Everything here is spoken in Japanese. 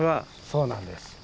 そうなんです。